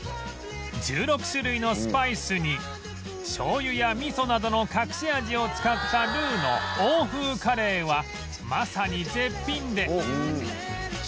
１６種類のスパイスに醤油やみそなどの隠し味を使ったルーの欧風カレーはまさに絶品で